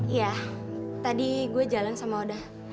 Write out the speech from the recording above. iya tadi gue jalan sama oda